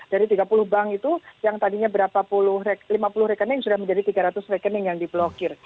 dari tiga puluh bank itu yang tadinya lima puluh rekening sudah menjadi tiga ratus rekening yang diblokir